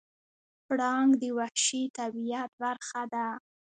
پړانګ د وحشي طبیعت برخه ده.